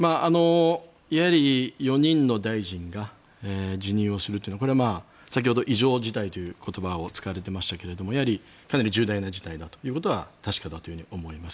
やはり４人の大臣が辞任をするというのはこれは先ほど異常事態という言葉を使われていましたがかなり重大な事態だということは確かだと思います。